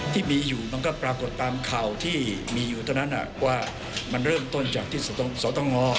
ที่มีอยู่มันก็ปรากฏตามข่าวที่มีอยู่เท่านั้นว่ามันเริ่มต้นจากที่สตง